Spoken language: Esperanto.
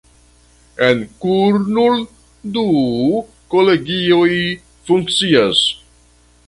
En Kurnul du kolegioj funkcias.